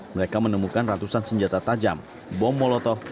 mereka menemukan ratusan senjata tajam bom molotov